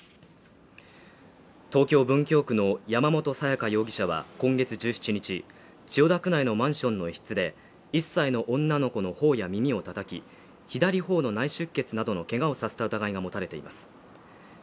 東京文京区の山本さや香容疑者は、今月１７日、千代田区内のマンションの一室で１歳の女の子の頬や耳を叩き、左頬の内出血などの怪我をさせた疑いが持たれています。